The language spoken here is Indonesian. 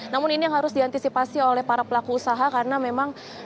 namun ini yang harus diantisipasi oleh para pelaku usaha karena memang